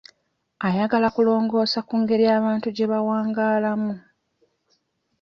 Ayagala kulongoosa ku ngeri abantu gye bawangaalamu.